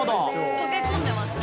溶け込んでますね。